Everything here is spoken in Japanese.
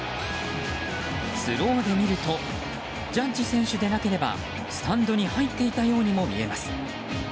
スローで見るとジャッジ選手でなければスタンドに入っていたようにも見えます。